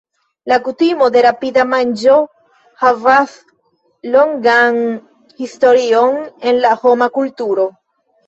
La kutimo de rapida manĝo havas longan historion en la homa kulturo.